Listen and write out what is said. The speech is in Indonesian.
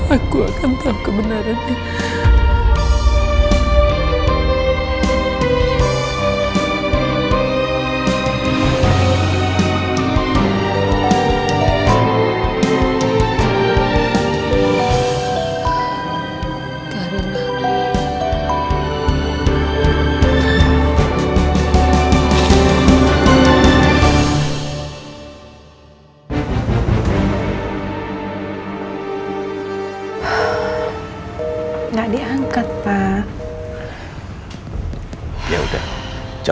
aku akan tau kebenarannya